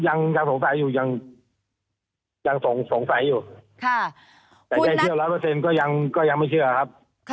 ยังสงสัยอยู่แต่ได้เชื่อล้านเปอร์เซ็นต์ก็ยังไม่เชื่อครับ